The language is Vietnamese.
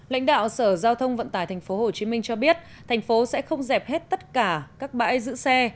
lãnh đạo sở giao thông vận tải tp hcm cho biết thành phố sẽ không dẹp hết tất cả các bãi giữ xe